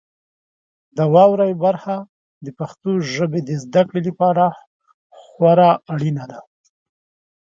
د واورئ برخه د پښتو ژبې د زده کړې لپاره خورا اړینه ده.